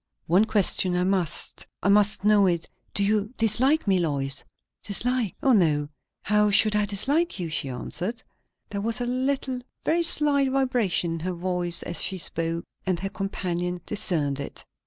"One question I must. I must know it. Do you dislike me, Lois?" "Dislike? O no! how should I dislike you?" she answered. There was a little, very slight, vibration in her voice as she spoke, and her companion discerned it.